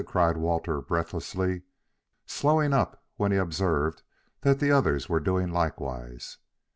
cried Walter breathlessly, slowing up when he observed that the others were doing likewise.